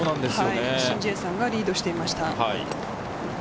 シン・ジエさんがリードしていました。